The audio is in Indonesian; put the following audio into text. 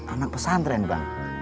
anak pesantren bang